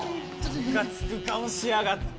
ムカつく顔しやがって！